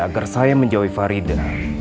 agar saya menjauhi farida